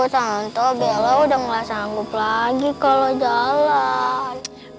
tante bella udah gak sanggup lagi kalau jalan